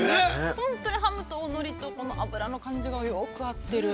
本当にハムとのりと油の感じがようく合ってる。